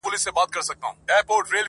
زموږ له شونډو مه غواړه زاهده د خلوت کیسه،